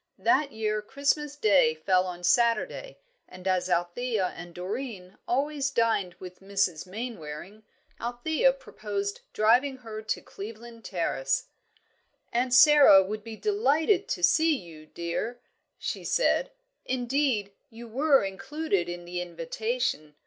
That year Christmas day fell on Saturday, and as Althea and Doreen always dined with Mrs. Mainwaring, Althea proposed driving her to Cleveland Terrace. "Aunt Sara would be delighted to see you, dear!" she said "indeed, you were included in the invitation.